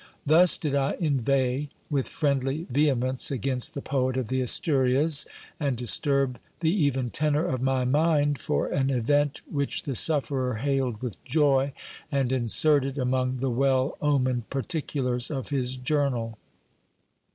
Thus did I inveigh with friendly vehemence against the poet of the Asturias, and disturb the even tenor of my mind for an FABRICIO GAINS A PENSION. event, which the sufferer hailed with joy, and inserted among the well omened particulars of his journal.